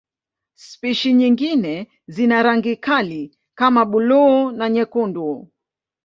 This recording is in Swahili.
Spishi nyingine zina rangi kali kama buluu na nyekundu.